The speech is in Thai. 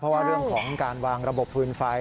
เพราะว่าเรื่องของการวางระบบฟืนไฟ